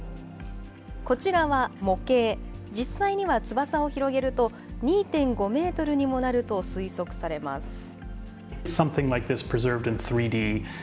こちらは模型、実際には翼を広げると２．５メートルにもなると推測されます。